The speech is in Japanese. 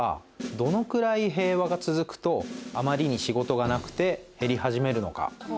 どのくらい平和が続くとあまりに仕事がなくて減り始めるのか？